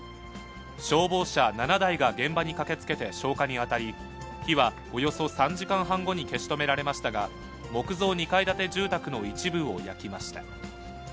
消防車７台が現場に駆けつけて消火に当たり、火は、およそ３時間半後に消し止められましたが、木造２階建住宅の一部を焼きました。